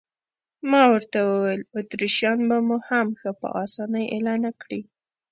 ما ورته وویل: اتریشیان به مو هم ښه په اسانۍ اېله نه کړي.